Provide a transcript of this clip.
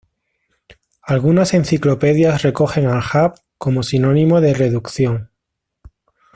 Algunas enciclopedias recogen "al-jabr" como sinónimo de "reducción".